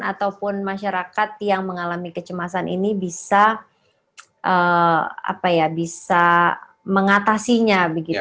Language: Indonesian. ataupun masyarakat yang mengalami kecemasan ini bisa mengatasinya